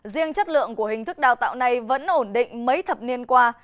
riêng chất lượng của hình thức đào tạo này vẫn ổn định mấy thập niên qua